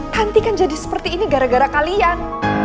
tanti kan jadi seperti ini gara gara kalian